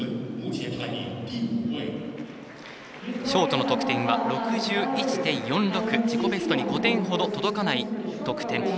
ショートの得点は６１．４６、自己ベストに５点ほど届かない得点。